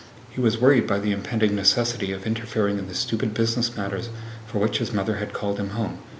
He was worried by the impending necessity of interfering in the stupid business matters for which his mother had called him home.